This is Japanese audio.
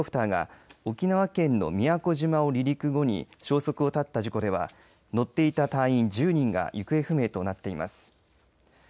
今月６日陸上自衛隊のヘリコプターが沖縄県の宮古島を離陸後に消息を絶った事故では乗っていた隊員１０人が行方不明となっています。